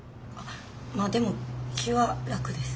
まあでも気は楽です。